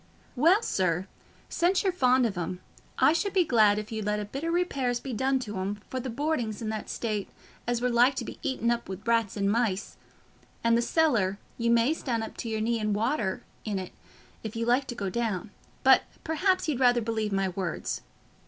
"Well, sir, since you're fond of 'em, I should be glad if you'd let a bit o' repairs be done to 'em, for the boarding's i' that state as we're like to be eaten up wi' rats and mice; and the cellar, you may stan' up to your knees i' water in't, if you like to go down; but perhaps you'd rather believe my words.